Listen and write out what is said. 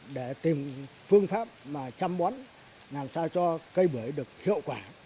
để tìm phương pháp mà chăm bón làm sao cho cây bưởi được hiệu quả